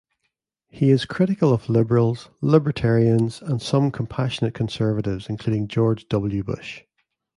He is critical of liberals, libertarians, and some "compassionate conservatives", including George W. Bush.